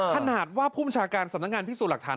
ขนาดว่าผู้บัญชาการสำนักงานพิสูจน์หลักฐาน